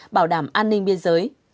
bảo đảm an ninh biên giới